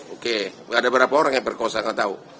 oke ada berapa orang yang berkosa kata kau